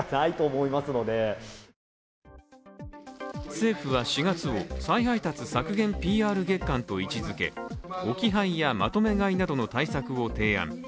政府は４月を、再配達削減ＰＲ月間と位置づけ置き配やまとめ買いなどの対策を提案。